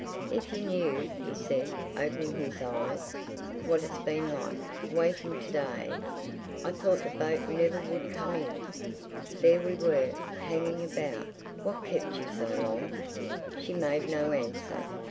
"If you knew," he said, opening his eyes, "what it's been like—waiting to day. I thought the boat never would come in. There we were, hanging about. What kept you so long?" She made no answer.